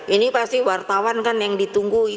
ini pasti wartawan kan yang ditunggu